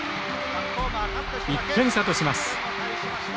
１点差とします。